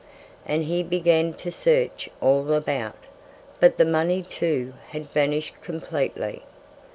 And he began to search all about. But the money, too, had vanished completely.